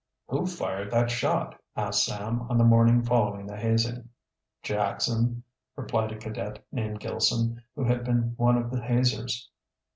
"Who fired that shot?" asked Sam, on the morning following the hazing. "Jackson," replied a cadet named Gilson, who had been one of the hazers.